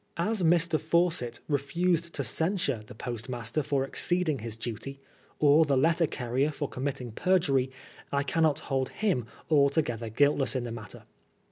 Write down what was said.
As Mr. Fawcett refused to censure the post master for exceeding his duty, or the letter carrier for committing perjury, I cannot hold him altogether guilt less in the matter.